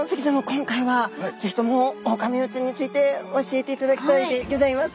今回は是非ともオオカミウオちゃんについて教えていただきたいでギョざいます。